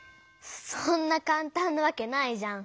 そんなかんたんなわけないじゃん。